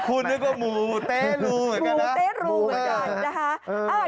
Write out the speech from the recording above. คุณนี่ก็หมูตะรูเหมือนกันนะ